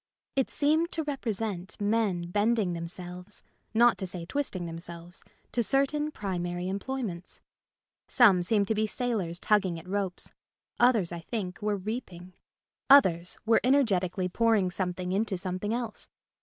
It seemed to represent men bend ing themselves (not to say twisting them selves) to certain primary employments. Some seemed to be sailors tugging at ropes ; others, I think, were reaping ; others were energetically pouring some thing into something else.